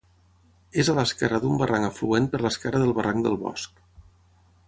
És a l'esquerra d'un barranc afluent per l'esquerra del barranc del Bosc.